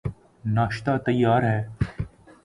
ناشتہ تیار ہے